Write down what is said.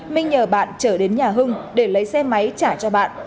minh nhờ bạn trở đến nhà hưng để lấy xe máy trả cho bạn